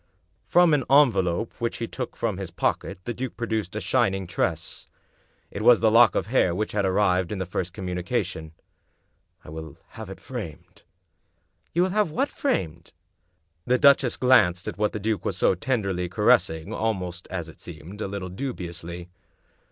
From an envelope which he took from his pocket the duke produced a shining tress. It was the lock of hair which had arrived in the first communication. " I will have it framed." "You will have what framed?" The duchess glanced at what the duke was so tenderly caressing, almost, as it seemed, a little dubiously.